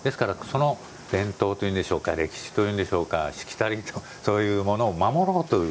伝統というんでしょうか歴史というんでしょうかしきたりと、そういうものを守ろうと。